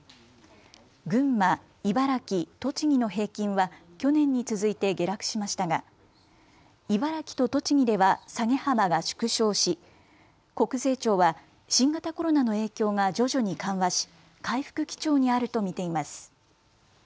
群馬、茨城、栃木の平均は去年に続いて下落しましたが茨城と栃木では下げ幅が縮小し国税庁は新型コロナの影響が徐々に緩和し回復基調にあると見ています。